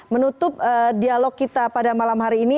menutup dialog kita pada malam hari ini